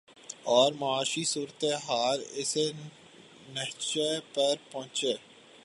اور معاشی صورت حال اس نہج پر پہنچ